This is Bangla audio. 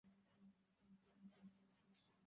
তোমার বয়স তো বড়ো বেশি বোধ হয় না।